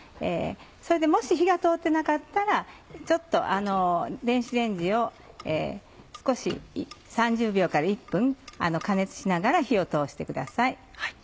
それでもし火が通ってなかったらちょっと電子レンジを少し３０秒から１分加熱しながら火を通してください。